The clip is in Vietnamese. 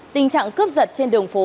tình trạng cướp giật trên đường phố